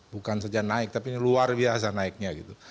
bukan saja naik tapi ini luar biasa naiknya gitu